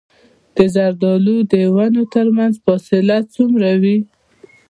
د زردالو د ونو ترمنځ فاصله څومره وي؟